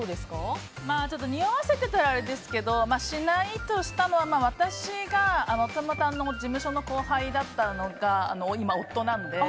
ちょっと匂わせてたらあれですけどしないとしたのは私が、事務所の後輩だったのが今、夫なので。